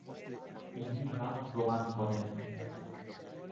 তিনি তা প্রমাণ করেন।